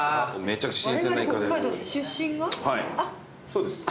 そうです。